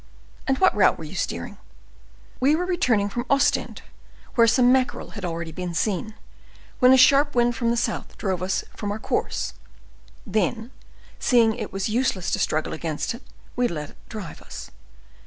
"And what route were you steering?" "We were returning from Ostend, where some mackerel had already been seen, when a sharp wind from the south drove us from our course; then, seeing that it was useless to struggle against it, we let it drive us.